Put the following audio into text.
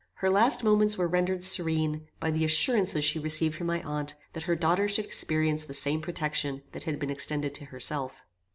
Her last moments were rendered serene, by the assurances she received from my aunt, that her daughter should experience the same protection that had been extended to herself.